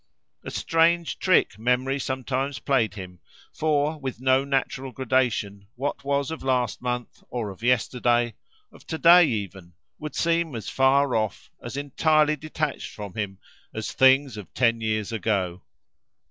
A strange trick memory sometimes played him; for, with no natural gradation, what was of last month, or of yesterday, of to day even, would seem as far off, as entirely detached from him, as things of ten years ago.